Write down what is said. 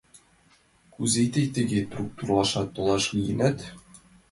— Кузе тый тыге трук туларташ толаш лийынат?